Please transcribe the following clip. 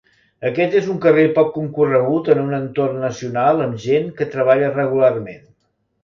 Aquest és un carrer poc concorregut en un entorn nacional amb gent que treballa regularment.